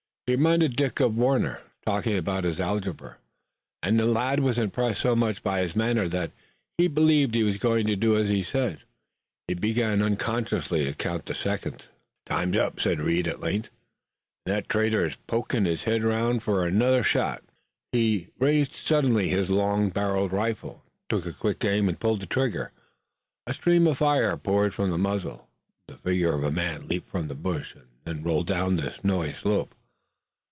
He reminded Dick of Warner, talking about his algebra, and the lad was impressed so much by his manner that he believed he was going to do as he said. He began unconsciously to count the seconds. "Time's up," said Reed at length, "an' that traitor is pokin' his head 'roun' fur another shot." He raised suddenly his long barreled rifle, took a quick aim, and pulled the trigger. A stream of fire poured from the muzzle, the figure of a man leaped from the bush and then rolled down the snowy slope.